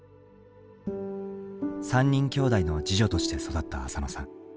３人きょうだいの次女として育ったあさのさん。